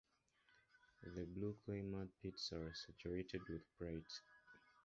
The blue clay mud pits are saturated with pyrite.